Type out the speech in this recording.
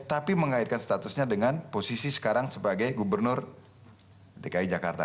tapi mengaitkan statusnya dengan posisi sekarang sebagai gubernur dki jakarta